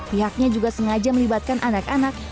pihaknya juga sengaja melibatkan anak anak